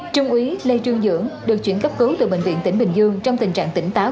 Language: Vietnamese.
trung úy lê trương dưỡng được chuyển cấp cứu từ bệnh viện tỉnh bình dương trong tình trạng tỉnh táo